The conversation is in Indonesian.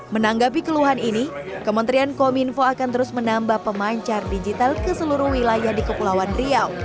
menanggapi keluhan ini kementerian kominfo akan terus menambah pemancar digital ke seluruh wilayah di kepulauan riau